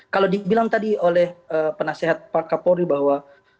kalau dibilang tadi oleh penasehat pak kapolri bahwa